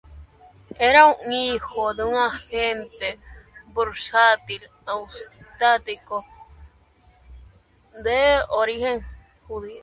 Era hijo de un agente bursátil austriaco de origen judío.